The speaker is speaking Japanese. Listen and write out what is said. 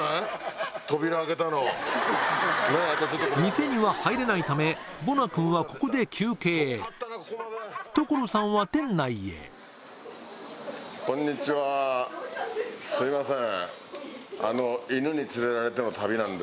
店には入れないためボナ君はここで休憩所さんは店内へあっすいません。